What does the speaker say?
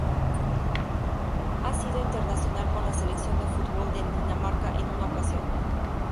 Ha sido internacional con la Selección de fútbol de Dinamarca en una ocasión.